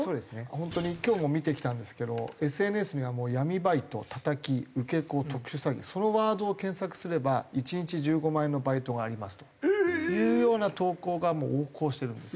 本当に今日も見てきたんですけどＳＮＳには「闇バイト」「タタキ」「受け子」「特殊詐欺」そのワードを検索すれば「１日１５万円のバイトがあります」というような投稿がもう横行してるんです。